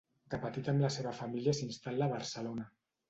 De petita amb la seva família s'instal·la a Barcelona.